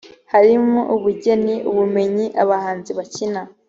harimo ubugeni, ubumenyi, abahanzi bakina